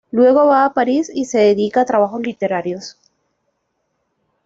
Luego va a París y se dedica a trabajos literarios.